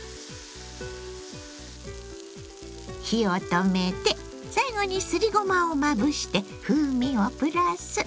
火を止めて最後にすりごまをまぶして風味をプラス。